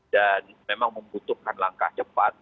dan memang membutuhkan langkah cepat